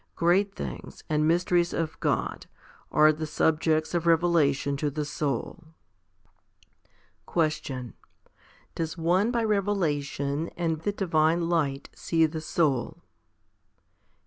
Great things, and mysteries of God, are the subjects of revelation to the soul. 6. Question. Does one by revelation and the divine light see the soul